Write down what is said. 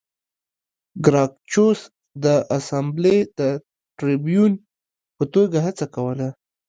ګراکچوس د اسامبلې د ټربیون په توګه هڅه کوله